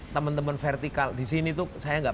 teman teman vertikal disini tuh saya enggak